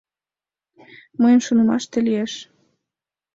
Мыйын шонымаште, лиеш.